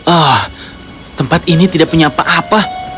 ah tempat ini tidak punya apa apa